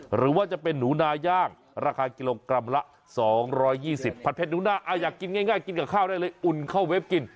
หรือว่าจะเป็นหนูนาย่างราคากิโลกรัมละ๒๒๐พันเพชรหนูน่าอยากกินง่ายกินกับข้าวได้เลยอุ่นเข้าเว็บกิน